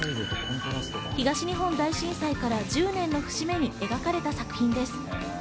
東日本大震災から１０年の節目に描かれた作品です。